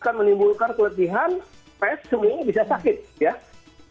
akan menimbulkan keletihan stress semuanya bisa sakit